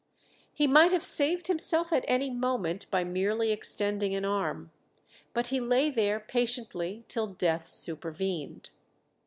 He might have saved himself at any moment by merely extending an arm; but he lay there patiently till death supervened.